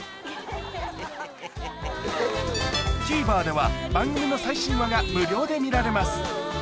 ＴＶｅｒでは番組の最新話が無料で見られます